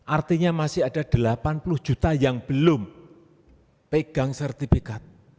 artinya masih ada delapan puluh juta yang belum pegang sertifikat